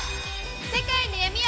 世界の闇を！